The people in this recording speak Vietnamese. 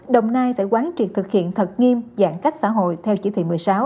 đồng nai phải quán triệt thực hiện thật nghiêm giãn cách xã hội theo chỉ thị một mươi sáu